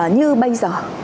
như bây giờ